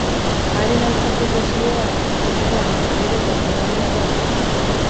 Haren aurkako presioa, hori bai, gero eta itogarriagoa da.